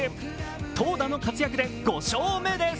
投打の活躍で５勝目です。